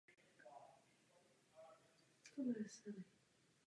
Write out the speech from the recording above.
Předtím zastával post místopředsedy klubu.